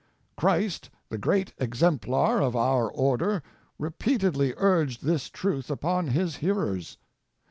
Christ, the great Exemplar of our order, repeatedly urged this truth upon His hearers.